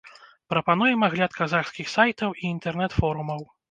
Прапануем агляд казахскіх сайтаў і інтэрнэт-форумаў.